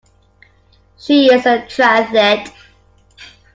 She is a triathlete.